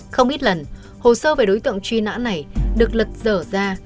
không ít lần hồ sơ về đối tượng truy nã này được lật dở ra